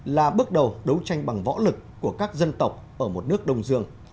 là bước đầu đấu tranh bằng võ lực của các dân tộc ở một nước đông dương